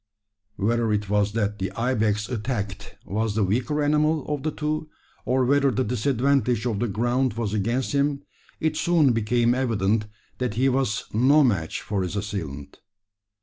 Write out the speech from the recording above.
Whether it was that the ibex attacked was the weaker animal of the two, or whether the disadvantage of the ground was against him, it soon became evident that he was no match for his assailant.